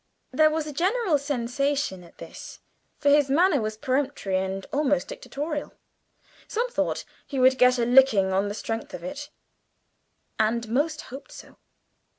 There was a general sensation at this, for his manner was peremptory and almost dictatorial. Some thought he would get a licking on the strength of it, and most hoped so.